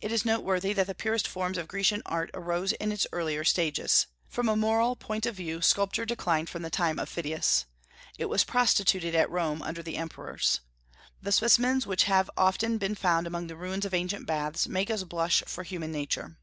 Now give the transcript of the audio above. It is noteworthy that the purest forms of Grecian art arose in its earlier stages. From a moral point of view, sculpture declined from the time of Phidias. It was prostituted at Rome under the emperors. The specimens which have often been found among the ruins of ancient baths make us blush for human nature.